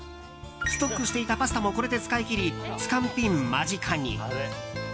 ストックしていたパスタもこれで使い切りスカンピン間近に。